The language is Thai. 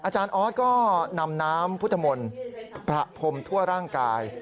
อาจารย์ออสก็นำน้ำพุทธมนต์ประพรมทั่วร่างกาย